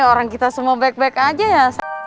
orang kita semua baik baik aja ya